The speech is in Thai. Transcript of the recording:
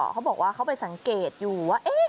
เขาบอกว่าเขาไปสังเกตอยู่ว่า